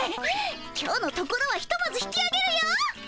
今日のところはひとまず引きあげるよ。